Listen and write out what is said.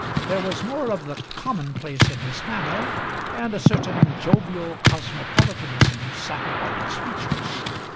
There was more of the commonplace in his manner, and a certain jovial cosmopolitanism sat upon his features.